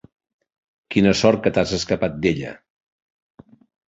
Quina sort que t'has escapat d'ella.